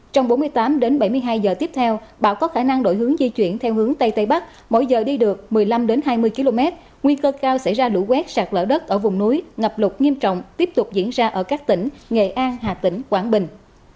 trong bốn mươi tám bảy mươi hai giờ tiếp theo bão có khả năng đổi hướng di chuyển theo hướng tây tây bắc mỗi giờ đi được một mươi năm hai mươi km nguy cơ cao xảy ra lũ quét sạt lở đất ở vùng núi ngập lụt nghiêm trọng tiếp tục diễn ra ở các tỉnh nghệ an hà tĩnh quảng bình